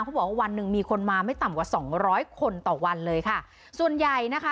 บอกว่าวันหนึ่งมีคนมาไม่ต่ำกว่าสองร้อยคนต่อวันเลยค่ะส่วนใหญ่นะคะ